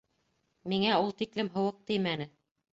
Миңә ул тиклем һыуыҡ теймәне...